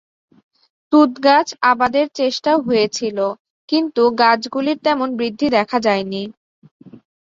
তুঁতগাছ আবাদের চেষ্টাও হয়েছিল, কিন্তু গাছগুলির তেমন বৃদ্ধি দেখা যায় নি।